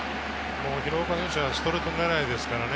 廣岡選手はストレート狙いですからね。